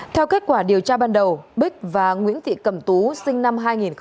theo kết quả điều tra ban đầu bích và nguyễn thị cẩm tú sinh năm hai nghìn ba